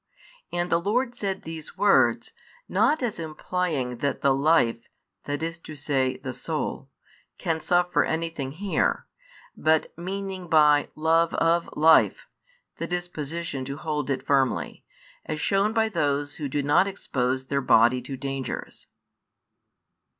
And the Lord said these words, not as implying that the life [i. e. the soul] can suffer anything here, but meaning by "love of life" the disposition to hold it firmly, as shown by those who do not expose their body to dangers.